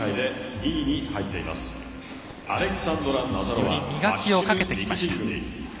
より磨きをかけてきました。